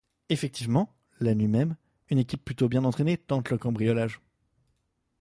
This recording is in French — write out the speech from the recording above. Effectivement, la nuit même, une équipe plutôt bien entraînée tente le cambriolage.